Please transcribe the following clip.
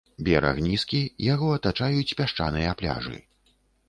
Бераг нізкі, яго атачаюць пясчаныя пляжы.